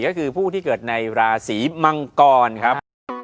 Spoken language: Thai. ก็คือผู้ที่เกิดในราศีมังกรครับ